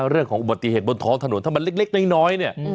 เรื่องของอุบัติเหตุบนท้องถนนถ้ามันเล็กน้อยเนี่ย